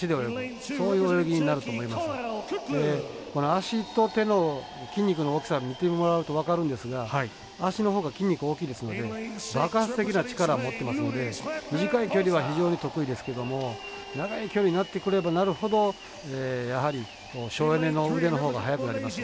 足と手の筋肉の大きさ見てもらうと分かるんですが足の方が筋肉大きいですので爆発的な力持ってますので短い距離は非常に得意ですけども長い距離になってくればなるほどやはり省エネの腕の方が速くなります。